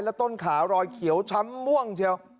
ต้นขารอยเขียวช้ำม่วงเชียว